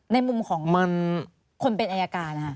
ในมุมของคนเป็นอายการ